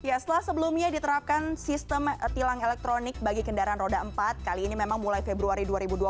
ya setelah sebelumnya diterapkan sistem tilang elektronik bagi kendaraan roda empat kali ini memang mulai februari dua ribu dua puluh